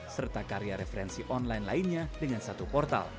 serta karya referensi online lainnya dengan satu portal